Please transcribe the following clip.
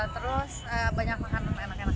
terus banyak makanan enak enak